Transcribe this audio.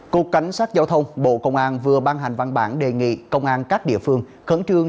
cục cảnh sát giao thông bộ công an vừa ban hành văn bản đề nghị công an các địa phương khẩn trương